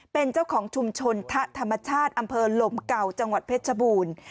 เป็นเจ้าของชุมชนทะธรรมชาติอำเภอลมเก่าจังหวัดเพชรชบูรณ์